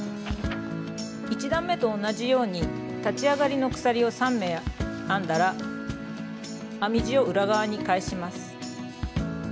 １段めと同じように立ち上がりの鎖を３目編んだら編み地を裏側に返します。